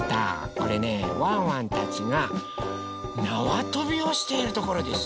これねワンワンたちがなわとびをしているところです！